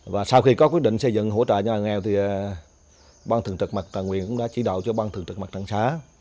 và sau khi có quyết định xây dựng hỗ trợ cho nhà nghèo thì ban thường trực mặt tài nguyện cũng đã chỉ đạo cho ban thường trực mặt trạng xã